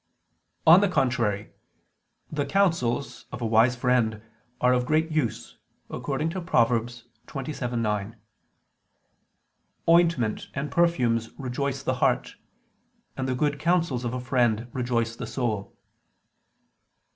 On the contrary, The counsels of a wise friend are of great use, according to Prov. (27:9): "Ointment and perfumes rejoice the heart: and the good counsels of a friend rejoice the soul."